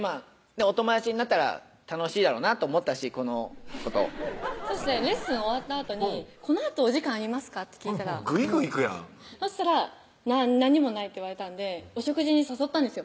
お友達になったら楽しいだろうなと思ったしこの子とそしてレッスン終わったあとに「このあとお時間ありますか？」って聞いたらそしたら「何もない」って言われたんでお食事に誘ったんですよ